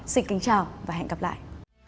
xin kính chào và hẹn gặp lại